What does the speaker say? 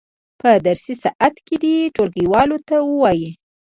په درسي ساعت کې دې ټولګیوالو ته ووایي.